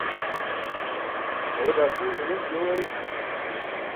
awaa ḍaakṭere milenc joo ay